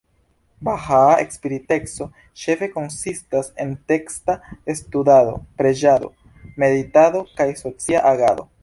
Bahaa spiriteco ĉefe konsistas el teksta studado, preĝado, meditado, kaj socia agado.